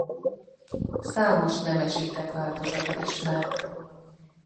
Számos nemesített változata ismert.